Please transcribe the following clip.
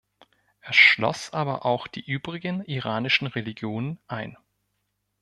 Er schloss aber auch die übrigen iranischen Religionen ein.